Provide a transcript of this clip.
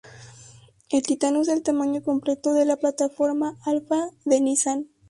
El Titan usa el tamaño completo de la plataforma F-Alpha de Nissan.